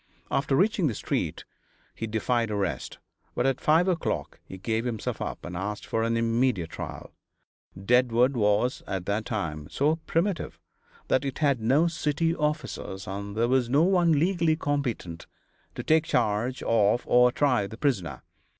After reaching the street he defied arrest, but at five o'clock he gave himself up and asked for an immediate trial. Deadwood was, at that time, so primitive that it had no city officers, and there was no one legally competent to take charge of or try the prisoner.